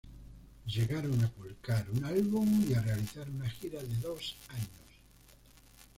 Llegaron a publicar un álbum y a realizar una gira de dos años.